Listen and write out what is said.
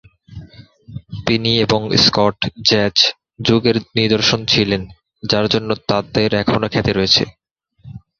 তিনি এবং Scott jazz যুগের নিদর্শন ছিলেন, যার জন্য তাদের এখনো খ্যাতি রয়েছে।